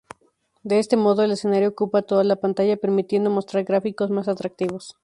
De este modo el escenario ocupa toda la pantalla permitiendo mostrar gráficos más atractivos.